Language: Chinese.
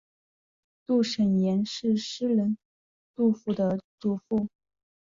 杜审言是诗人杜甫的祖父。